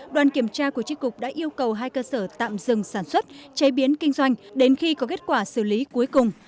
đoàn kiểm tra của chiếc cục đã yêu cầu hai cơ sở tạm dừng sản xuất chế biến kinh doanh đến khi có kết quả xử lý cuối cùng